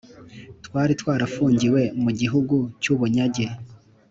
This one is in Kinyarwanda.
Twari twarafungiwe mu gihugu cy’ubunyage